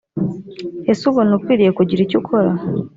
ese ubona ukwiriye kugira icyo ukora